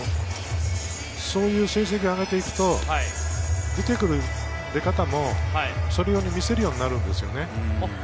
そういう成績を上げていくと見てくる出方も、そう見せるようになるんですよね。